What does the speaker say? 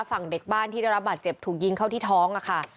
ฝั่งเด็กบ้านที่ได้รับบาดเจ็บถูกยิงเข้าที่ท้องค่ะ